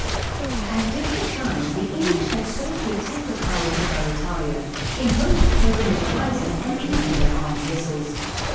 At different times the English had sought to attack the pirates at Barrataria, in hopes of taking their prizes, and even their armed vessels.